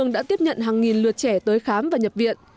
trung ương đã tiếp nhận hàng nghìn lượt trẻ tới khám và nhập viện